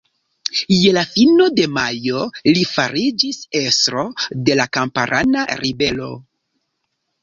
Je la fino de majo li fariĝis estro de la kamparana ribelo.